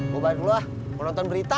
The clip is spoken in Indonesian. gue balik dulu lah gue nonton berita